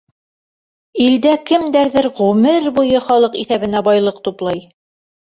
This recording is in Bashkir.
Илдә кемдәрҙер ғүмер буйы халыҡ иҫәбенә байлыҡ туплай.